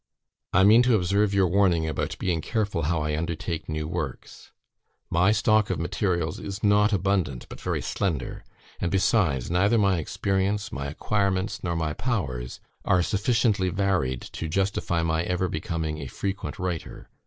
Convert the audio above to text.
"I mean to observe your warning about being careful how I undertake new works; my stock of materials is not abundant, but very slender; and, besides, neither my experience, my acquirements, nor my powers, are sufficiently varied to justify my ever becoming a frequent writer.